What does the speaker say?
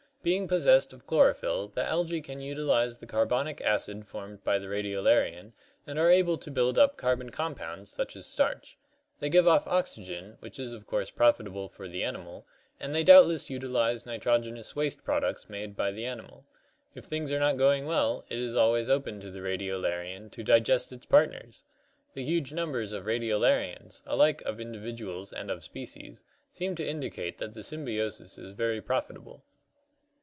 Being possessed of chlorophyl, the Algae can utilize the carbonic acid formed by the Radiolarian, and are able to build up carbon compounds, such as starch. They give off oxygen, which is of course profitable for the animal, and they doubtless utilize nitrogenous waste products made by the animal. If things are not going well, it is always open to the Radio larian to digest its partners! The huge numbers of Radiolarians — alike of individuals and of species — seem to indicate that the sym biosis is very profitable."